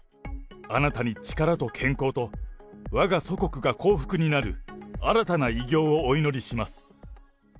あなたに力と健康と、わが祖国が幸福になる新たな偉業をお祈りします。